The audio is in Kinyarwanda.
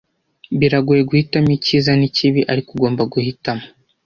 Biragoye guhitamo icyiza n'ikibi, ariko ugomba guhitamo.